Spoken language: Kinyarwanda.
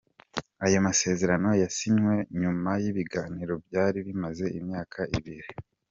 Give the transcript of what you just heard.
Ayo masezerano yasinywe nyuma y’ibiganiro byari bimaze imyaka ibiri.